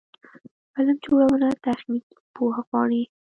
فلم جوړونه تخنیکي پوهه غواړي.